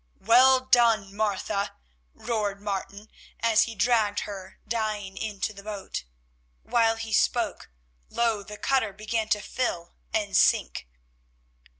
"Well done, Martha," roared Martin, as he dragged her dying into the boat. While he spoke, lo! the cutter began to fill and sink.